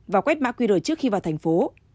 và quét mã quy rời trước khi vào thành phố